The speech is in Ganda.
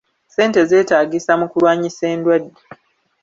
Ssente zeetaagisa mu kulwanyisa endwadde.